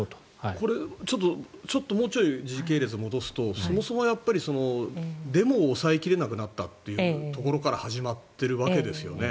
これ、ちょっともうちょっと時系列を戻すとそもそも、デモを抑え切れなくなったというところから始まっているわけですよね。